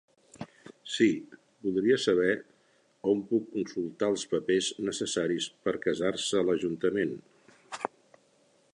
Si, voldria saber a on puc consultar els papers necessaris per casar-se a l'ajuntament.